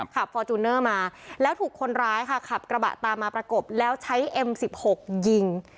ฟอร์จูเนอร์มาแล้วถูกคนร้ายค่ะขับกระบะตามมาประกบแล้วใช้เอ็มสิบหกยิง